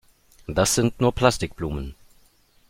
Das sind nur Plastikblumen.